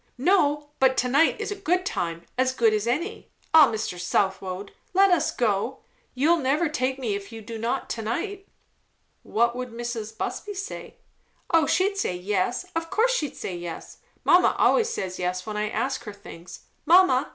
"No; but to night is a good time; as good as any. Ah, Mr. Southwode! let us go. You'll never take me, if you do not to night." "What would Mrs. Busby say?" "O she'd say yes. Of course she'd say yes. Mamma always says yes when I ask her things. Mamma!